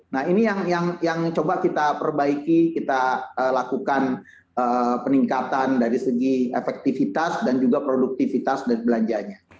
nah ini yang coba kita perbaiki kita lakukan peningkatan dari segi efektivitas dan juga produktivitas dari belanjanya